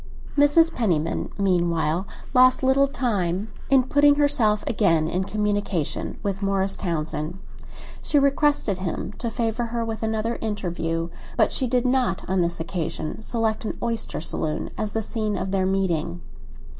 Mrs. Penniman, meanwhile, lost little time in putting herself again in communication with Morris Townsend. She requested him to favour her with another interview, but she did not on this occasion select an oyster saloon as the scene of their meeting.